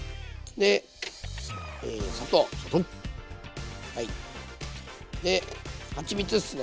ではちみつっすね。